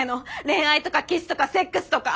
恋愛とかキスとかセックスとか！